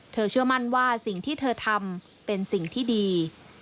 เชื่อมั่นว่าสิ่งที่เธอทำเป็นสิ่งที่ดี